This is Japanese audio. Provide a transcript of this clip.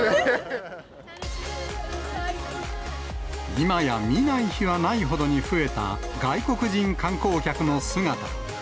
今や、見ない日はないほどに増えた外国人観光客の姿。